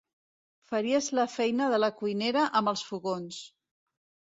Faries la feina de la cuinera amb els fogons.